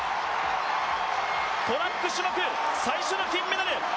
トラック種目最初の金メダル。